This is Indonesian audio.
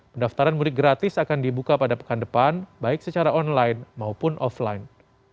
pendaftaran mudik gratis akan dibuka pada pekan depan baik secara online maupun offline